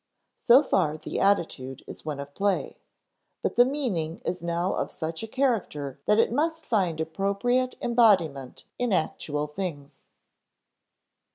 So far the attitude is one of play. But the meaning is now of such a character that it must find appropriate embodiment in actual things.